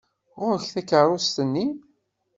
Ɣur-k takeṛṛust-nni!